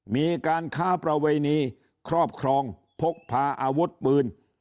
มีการค้าประเวณีครอบครองพกพาอาวุธปืน